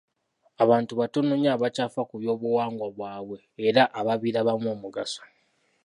Abantu batono nnyo abakyafa ku by'obuwangwa bwabwe era ababirabamu omugaso.